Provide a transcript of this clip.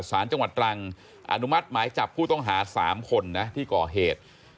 สารจังหวัดตรังอนุมัติหมายจับผู้ต้องหา๓คนนะที่ก่อเหตุ